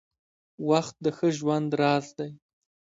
• وخت د ښه ژوند راز دی.